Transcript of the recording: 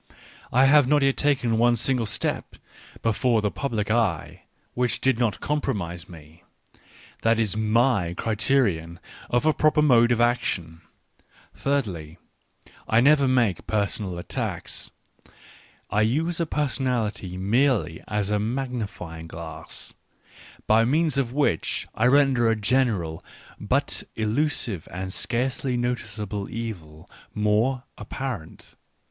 ... I have not yet taken one single step before the public eye, which did not compromise me : that is my criterion of a proper mode of action. Thirdly, I never make personal attacks — I use a personality merely as a magnifying glass, by means of which I render a general, but elusive and scarcely notice able evil, more apparent.